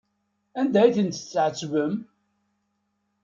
Anda ay tent-tɛettbem?